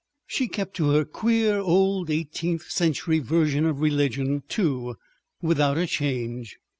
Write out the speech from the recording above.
She kept to her queer old eighteenth century version of religion, too, without a change.